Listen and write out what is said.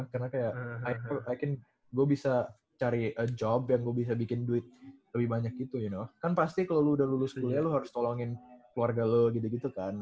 karena kayak gua bisa cari a job yang gua bisa bikin duit lebih banyak gitu you know kan pasti kalo lu udah lulus kuliah lu harus tolongin keluarga lu gitu gitu kan